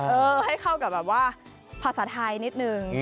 เออให้เข้ากับแบบว่าภาษาไทยนิดนึง